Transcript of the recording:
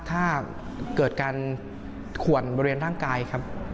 ถ้าเกิดการข่วนเบอร์เรียนร่างกายครับ